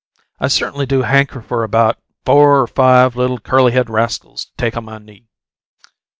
I certainly do hanker for about four or five little curly headed rascals to take on my knee.